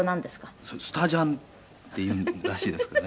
谷村：スタジャンっていうらしいですけどね。